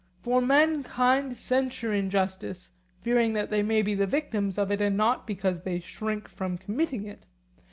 For mankind censure injustice, fearing that they may be the victims of it and not because they shrink from committing it.